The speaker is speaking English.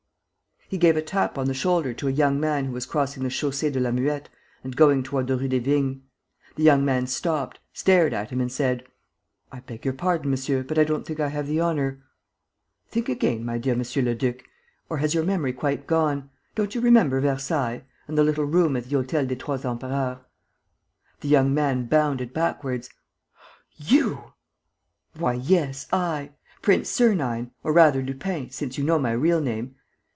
He gave a tap on the shoulder to a young man who was crossing the Chaussee de la Muette and going toward the Rue des Vignes. The young man stopped, stared at him and said: "I beg your pardon, monsieur, but I don't think I have the honor ..." "Think again, my dear M. Leduc. Or has your memory quite gone? Don't you remember Versailles? And the little room at the Hôtel des Trois Empereurs?" The young man bounded backwards: "You!" "Why, yes, I! Prince Sernine, or rather Lupin, since you know my real name!